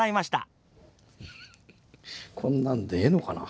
フフフこんなんでええのかな。